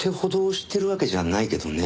知ってるわけじゃないけどね。